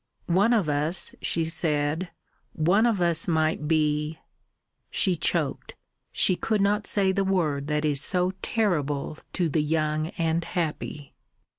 "One of us," she said, "one of us might be " She choked; she could not say the word that is so terrible to the young and happy.